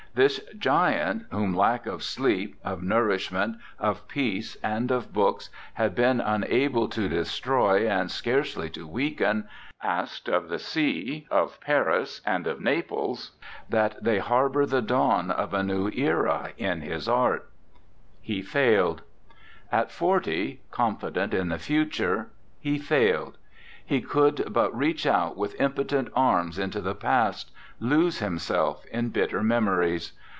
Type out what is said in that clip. This giant, whom lack of sleep, of nour ishment, of peace and of books, had been unable to destroy and scarcely to weaken, asked of the sea, of Paris and of Naples, that they harbor the dawn of a new era in his art. 74 ERNEST LA JEUNESSE He failed. At forty, confident in the future, he failed. He could but reach out with impotent arms into the past, lose him self in bitter memories.